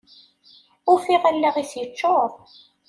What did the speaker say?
Ufiɣ allaɣ-is yeččur.